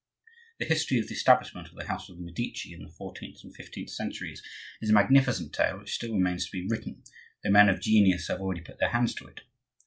The history of the establishment of the house of the Medici in the fourteenth and fifteenth centuries is a magnificent tale which still remains to be written, though men of genius have already put their hands to it.